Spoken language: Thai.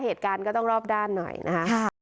เหตุการณ์ก็ต้องรอบด้านหน่อยนะคะ